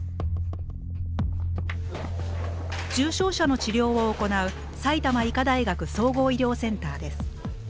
重症者の治療を行う埼玉医科大学総合医療センターです。